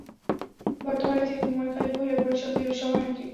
বর্তমানে তিনি কুমারখালী মহিলা পরিষদের সভানেত্রী।